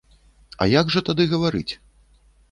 А як жа тады гаварыць?